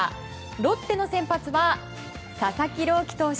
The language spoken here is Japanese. ロッテの先発は佐々木朗希投手。